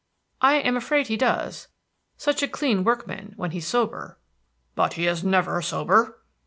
"I am afraid he does. Such a clean workman when he's sober!" "But he is never sober."